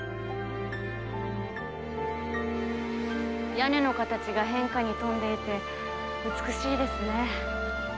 屋根の形が変化に富んでいて美しいですね。